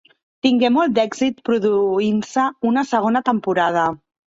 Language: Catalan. Tingué molt d'èxit produint-se una segona temporada.